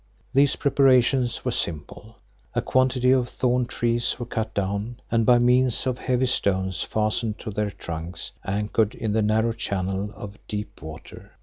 These preparations were simple. A quantity of thorn trees were cut down and by means of heavy stones fastened to their trunks, anchored in the narrow channel of deep water.